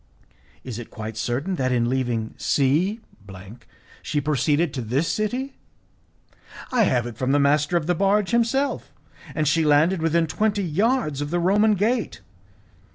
"Is it quite certain that in leaving C she proceeded to this city?" "I have it from the master of the barge himself, and she landed within twenty yards of the Roman gate.